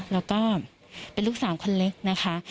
แล้วก็เป็นลูกสาวคนเล็กนะคะ